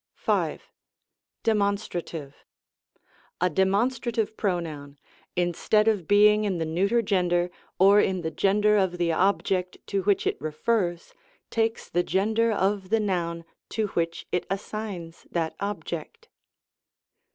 DeinonsPratwe, A demonstrative pronoun, in stead of being in the neuter gender, or in the gender of the object to which it refers, takes the gender of the noun to which it assigns that object.